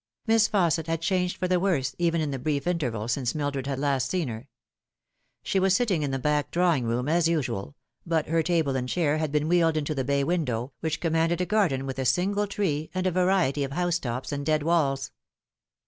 Miss Fausset had changed for the worse even in the brief interval since Mildred had last seen her. She was sitting in the back drawing room as usual, but her table and chair had been wheeled into the bay window, which commanded a garden with a single tree and a variety of house tops and dead walls.